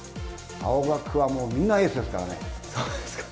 青学はもうみんなエースですからね。